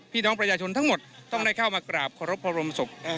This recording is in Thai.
พี่น้องประชาชนทั้งหมดต้องได้เข้ามากราบขอรบพระรมศพ